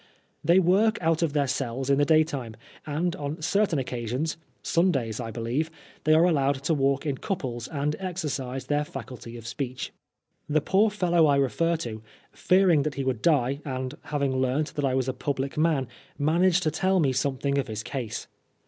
They work out of their cells in the daytime, and on certain occasions (Sundays, I believe) they are allowed to walk in couples and exercise their faculty of speech. The poor fellow I refer to, fearing that he would die, and having learnt that I was a public man, managed to tell me something of his case.